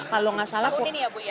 kalau gak salah tahun ini ya ibu ya